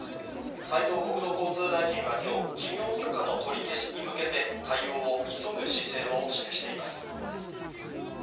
斉藤国土交通大臣はきょう、事業許可の取り消しに向けて、対応を急ぐ姿勢を示しています。